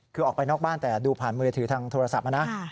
คือออกไปนอกบ้านแต่ดูผ่านมือถือทางโทรศัพท์นะ